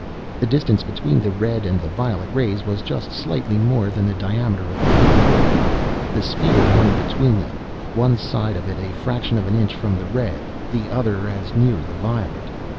The distance between the red and the violet rays was just slightly more than the diameter of the pygmy world. The sphere hung between them, one side of it a fraction of an inch from the red, the other as near the violet.